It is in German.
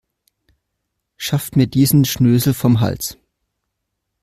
Schafft mir diesen Schnösel vom Hals.